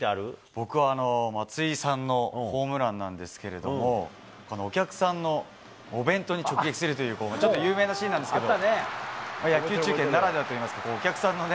僕は、松井さんのホームランなんですけれども、このお客さんのお弁当に直撃するという、ちょっと有名なシーンなんですけど。